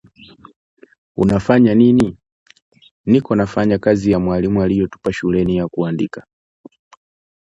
unafanya nini? Niko nafanya kazi ya mwalimu aliyotupa shuleni ya kuandika